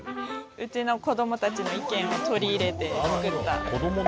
うちの子どもたちの意見を取り入れてつくった。